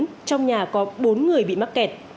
trong nhà có bốn người bị mắc kẹt